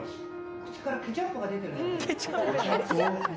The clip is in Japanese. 口からケチャップが出てるだけ。